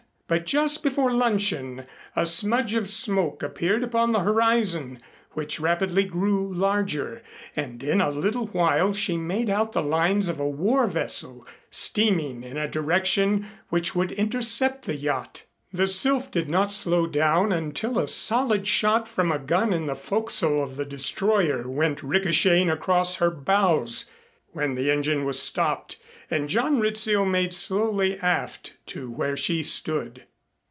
But just before luncheon a smudge of smoke appeared upon the horizon, which rapidly grew larger, and in a little while she made out the lines of a war vessel steaming in a direction which would intercept the yacht. The Sylph did not slow down until a solid shot from a gun in the forecastle of the destroyer went ricochetting across her bows, when the engine was stopped and John Rizzio made slowly aft to where she stood.